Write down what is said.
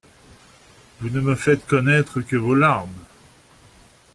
Vous ne me faites connaître que vos larmes.